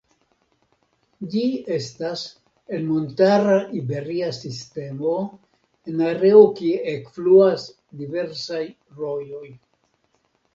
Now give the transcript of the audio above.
Ĝi estas en montara Iberia Sistemo en areo kie ekfluas diversaj rojoj.